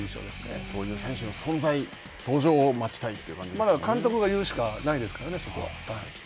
そういう選手の存在、登場を待まだ監督が言うしかないですか